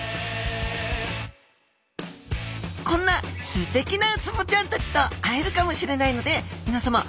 こんなすてきなウツボちゃんたちと会えるかもしれないのでみなさま